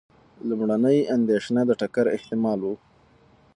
لومړنۍ اندېښنه د ټکر احتمال و.